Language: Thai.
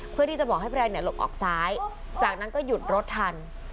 เพื่อที่จะบอกให้แรนดหลบออกซ้ายจากนั้นก็หยุดรถทัน